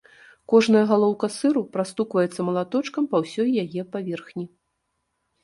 Кожная галоўка сыру прастукваецца малаточкам па ўсёй яе паверхні.